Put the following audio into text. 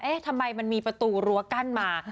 ทำไมมันมีประตูรั้วกั้นมา